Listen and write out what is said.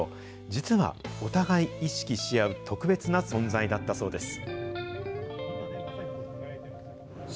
実は、お互い意識し合う特別な存在だったそうです。